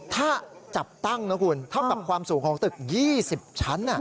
ถ้าจับตั้งนะคุณเท่ากับความสูงของตึก๒๐ชั้น